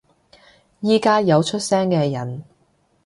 而家有出聲嘅人